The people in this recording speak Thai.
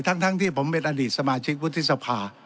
ทั้งที่ผมเป็นอดีตสมาชิกวุฒิสภา